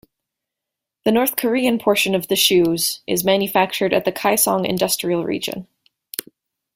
The North Korean portion of the shoes is manufactured at the Kaesong Industrial Region.